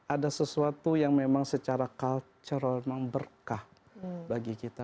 ada sesuatu yang memang secara cultural memang berkah bagi kita